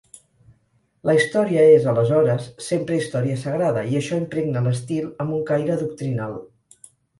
La història és, aleshores, sempre història sagrada i això impregna l'estil, amb un caire doctrinal.